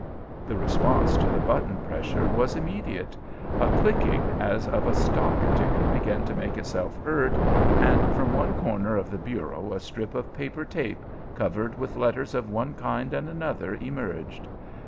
The response to the button pressure was immediate. A clicking as of a stock ticker began to make itself heard, and from one corner of the bureau a strip of paper tape covered with letters of one kind and another emerged.